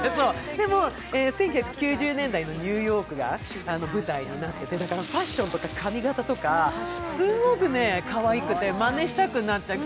でも、１９９０年代のニューヨークが舞台になってるからファッションとか髪形とか、すごくかわいくてまねしたくなっちゃう。